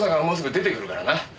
もうすぐ出てくるからな。